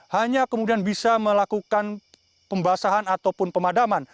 hanya kemudian bisa melakukan pembasahan ataupun pemadaman